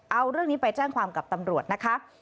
เอาเรื่องนี้ไปแจ้งความกับตำรวจนะคะ